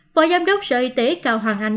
phỏ giám đốc sở y tế cao hoàng anh